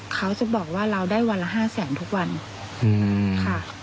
เขาจะบอกว่าเราได้วันละ๕แสนทุกวันค่ะ